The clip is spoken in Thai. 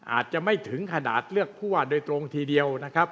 อาจจะไม่ถึงขนาดเลือกผู้ว่าโดยตรงทีเดียวนะครับ